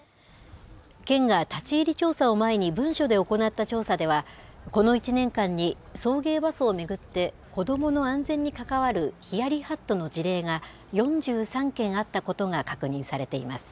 県が立ち入り調査を前に、文書で行った調査では、この１年間に、送迎バスを巡って、子どもの安全に関わるヒヤリハットの事例が４３件あったことが確認されています。